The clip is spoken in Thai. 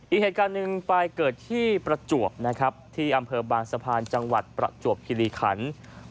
อีกเหตุการณ์หนึ่งไปเกิดที่ประจวบนะครับที่อำเภอบางสะพานจังหวัดประจวบคิริขัน